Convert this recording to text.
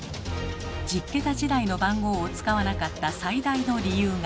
１０桁時代の番号を使わなかった最大の理由が。